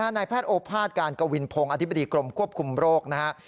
นายแพทย์โอภาษย์การกวินพงศ์อธิบดีกรมควบคุมโรคนะครับ